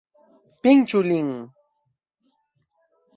Pinĉu lin!